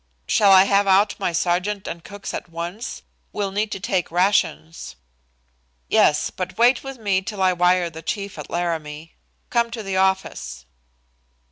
"Shall I have out my sergeant and cooks at once? We'll need to take rations." "Yes, but wait with me till I wire the chief at Laramie. Come to the office."